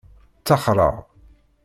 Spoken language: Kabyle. Ttaxreɣ.